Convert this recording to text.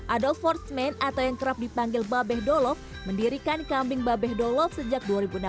adolf forsman atau yang kerap dipanggil babeh dolof mendirikan kambing babeh dolof sejak dua ribu enam belas